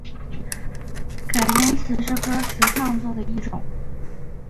改编词是歌词创作的一种。